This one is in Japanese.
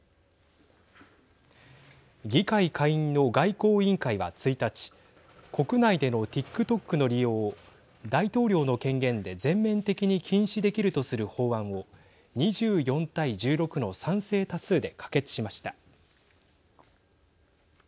議会下院の外交委員会は１日国内でのＴｉｋＴｏｋの利用を大統領の権限で全面的に禁止できるとする法案を２４対１６の賛成多数で可決しました。